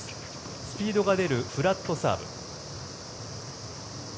スピードが出るフラットサーブ。